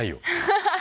ハハハハ！